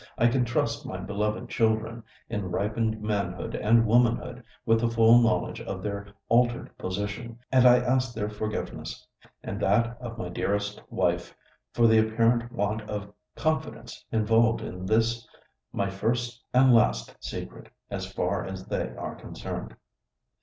I can trust my beloved children, in ripened manhood and womanhood, with the full knowledge of their altered position, and I ask their forgiveness, and that of my dearest wife, for the apparent want of confidence involved in this my first and last secret, as far as they are concerned."